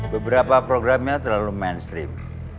beberapa programnya terlalu mainstream